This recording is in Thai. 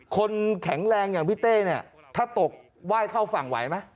คนแข็งแรงอย่างพี่เต้เนี่ยถ้าตกไหว้เข้าฝั่งไหวไหม